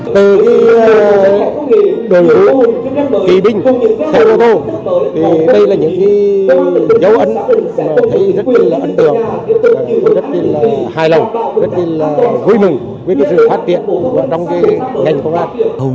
từ đồ đu kỳ binh xe ô tô đây là những dấu ấn rất ấn tượng rất hài lòng rất vui mừng với sự phát triển trong ngành công an